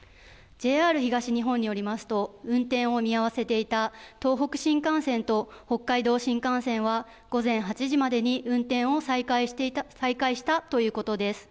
ＪＲ東日本によりますと、運転を見合わせていた東北新幹線と北海道新幹線は午前８時までに運転を再開したということです。